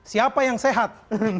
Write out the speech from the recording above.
siapa yang sehat